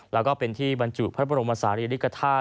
แล้วก็เป็นที่บรรจุพระบรมศาลีริกฐาตุ